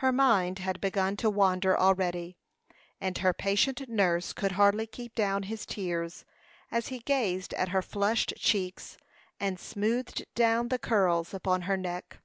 Her mind had begun to wander already; and her patient nurse could hardly keep down his tears, as he gazed at her flushed cheeks, and smoothed down the curls upon her neck.